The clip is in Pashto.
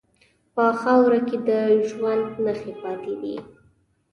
په خاوره کې د ژوند نښې پاتې دي.